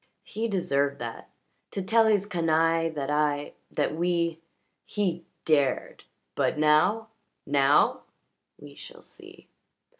"He deserved that! To tell his canaille that I that we He dared! But now now we shall see!"